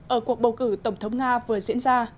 ở cuộc bầu cử tổng thống nga vừa diễn ra